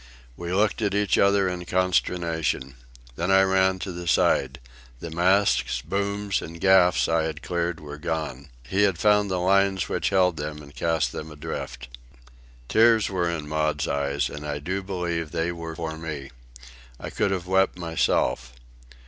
We looked at each other in consternation. Then I ran to the side. The masts, booms, and gaffs I had cleared were gone. He had found the lines which held them, and cast them adrift. Tears were in Maud's eyes, and I do believe they were for me. I could have wept myself.